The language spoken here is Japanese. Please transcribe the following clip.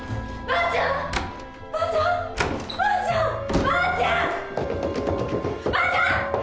ばあちゃーん！